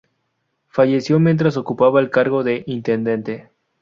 Falleció mientras ocupaba el cargo de intendente.